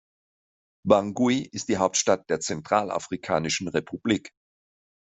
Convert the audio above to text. Bangui ist die Hauptstadt der Zentralafrikanischen Republik.